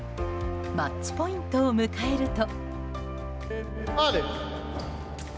マッチポイントを迎えると。